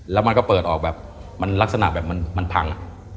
และมันก็เปิดออกแบบแบบมันพัง